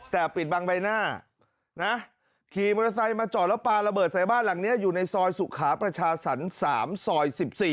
แต่ปิดบังใบหน้านะขี่มอเตอร์ไซค์มาจอดแล้วปลาระเบิดใส่บ้านหลังนี้อยู่ในซอยสุขาประชาสรรค์๓ซอย๑๔